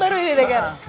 baru ini dengar